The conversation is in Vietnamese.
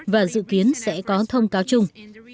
và dự kiến sẽ có thông cáo chung